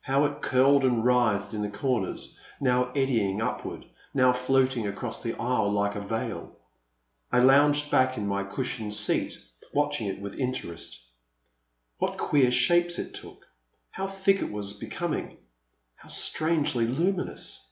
How it curled and writhed in the comers, now eddying upward, now floating across the aisle like a veil. I lounged back in my cushioned seat watching it with inter est. What queer shapes it took. How thick it was becoming — ^how strangely luminous